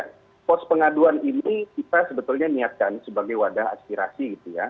nah pos pengaduan ini kita sebetulnya niatkan sebagai wadah aspirasi gitu ya